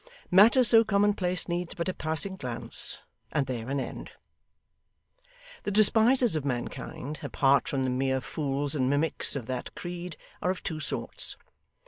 Matter so commonplace needs but a passing glance, and there an end. The despisers of mankind apart from the mere fools and mimics, of that creed are of two sorts.